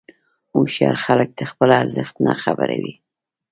هوښیار خلک د خپل ارزښت نه خبر وي.